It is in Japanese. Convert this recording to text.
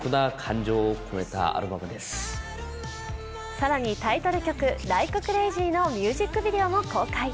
更にタイトル曲「ＬｉｋｅＣｒａｚｙ」のミュージックビデオも公開。